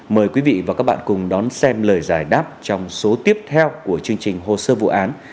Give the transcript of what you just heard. mời quý vị và các bạn cùng đón xem lời giải đáp trong số tiếp theo của chương trình hồ sơ vụ án